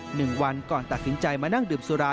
หนึ่งวันก่อนตัดสินใจมานั่งดื่มสุรา